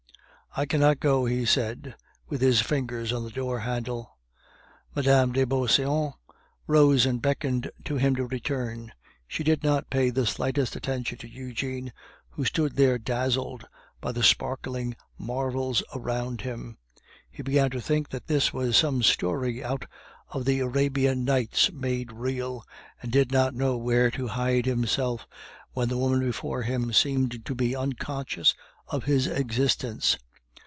"I cannot go," he said, with his fingers on the door handle. Mme. de Beauseant rose and beckoned to him to return. She did not pay the slightest attention to Eugene, who stood there dazzled by the sparkling marvels around him; he began to think that this was some story out of the Arabian Nights made real, and did not know where to hide himself, when the woman before him seemed to be unconscious of his existence.